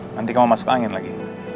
nanti kamu masuk angin lagi